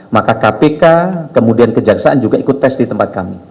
maka kpk kemudian kejaksaan juga ikut tes di tempat kami